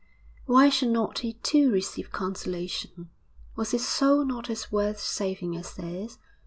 Why should not he too receive consolation? Was his soul not as worth saving as theirs?